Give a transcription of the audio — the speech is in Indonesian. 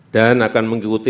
dan akan menggelar ke kampuji